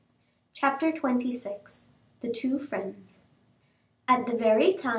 Chapter XXVI. The Two Friends. At the very time M.